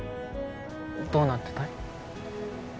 どうなってたい？